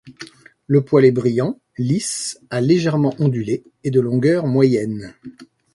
Le poil est brillant, lisse à légèrement ondulé et de longueur moyenne.